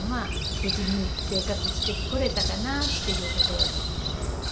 無事に生活してこれたかなあっていうところで。